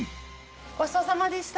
ごちそうさまでした。